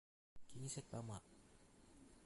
Chính sách bảo mật